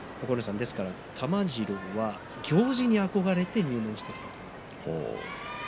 ですから玉治郎は行司に憧れて入門してきたと。